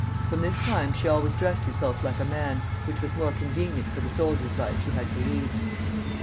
From this time she always dressed herself like a man, which was more convenient for the soldier's life she had to lead.